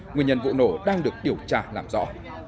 nguyên nhân vụ nổ đang được điều tra làm rõ